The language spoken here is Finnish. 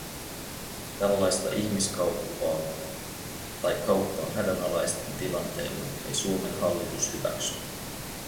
Tällaista ihmiskauppaa tai kauppaa hädänalaisten tilanteella ei Suomen hallitus hyväksy.